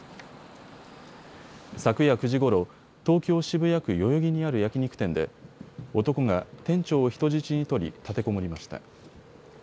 昨夜９時ごろ、東京渋谷区代々木にある焼き肉店で男が店長を人質に取り立てこもりました。